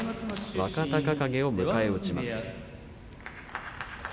若隆景を迎え撃ちます。